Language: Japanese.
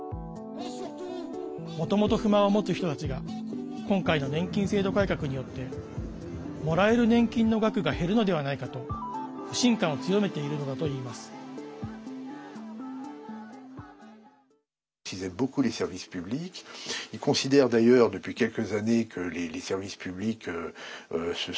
もともと不満を持つ人たちが今回の年金制度改革によってもらえる年金の額が減るのではないかと不信感を強めているのだといいます。